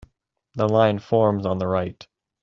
The line forms on the right.